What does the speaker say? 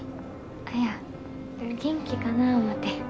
いや元気かなぁ思て。